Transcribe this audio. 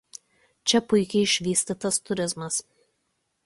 Čia puikiai išvystytas turizmas.